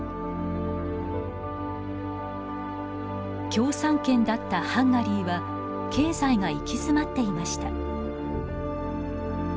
共産圏だったハンガリーは経済が行き詰まっていました。